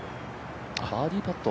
バーディーパット。